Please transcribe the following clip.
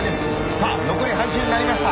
さあ残り半周になりました。